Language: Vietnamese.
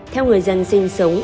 theo người dân sinh sống